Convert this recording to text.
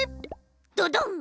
ドドン！